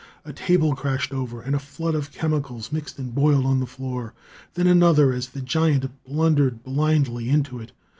A table crashed over, and a flood of chemicals mixed and boiled on the floor; then another, as the giant blundered blindly into it.